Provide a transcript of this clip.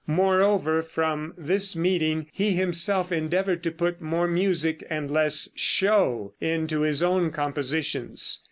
Moreover, from this meeting he himself endeavored to put more music and less show into his own compositions.